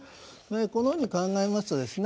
このように考えますとですね